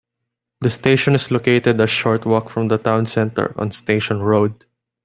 The station is located a short walk from the town centre, on Station Road.